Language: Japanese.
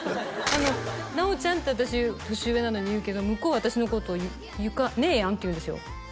あの直ちゃんって私年上なのに言うけど向こうは私のことを由夏姉やんって言うんですよ